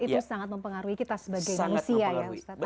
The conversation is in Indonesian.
itu sangat mempengaruhi kita sebagai manusia ya ustadz